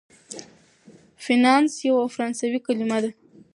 فینانس یوه فرانسوي کلمه ده.